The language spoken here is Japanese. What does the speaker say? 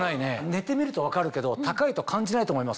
寝てみると分かるけど高いと感じないと思いますよ。